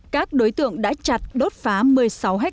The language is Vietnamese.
các đối tượng đã chặt đốt phá một mươi sáu ha